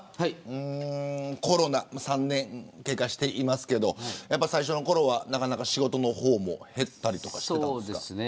コロナ３年経過していますけれど最初のころはなかなか仕事の方も減ったりとかしたんですか。